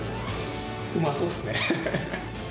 うまそうっすね。